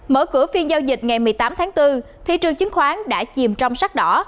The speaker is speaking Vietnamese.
mở cửa phiên giao dịch ngày một mươi tám tháng bốn thị trường chứng khoán đã chìm trong sắc đỏ